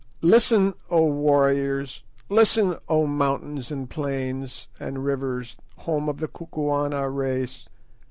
Listen, O warriors! Listen, O mountains and plains and rivers, home of the Kukuana race!